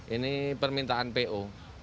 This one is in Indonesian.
ini permintaan po